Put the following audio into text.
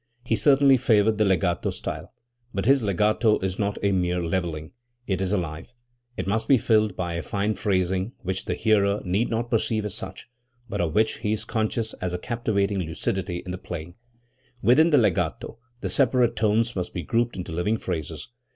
He certainly favored the legato style. But his legato is not a mere levelling; it is alive. It must be filled by a fine phrasing which the hearer need not perceive as such, but of which he is conscious as a captivating lucidity in the playing. Within the legato, the separate tones must be grouped into living phrases.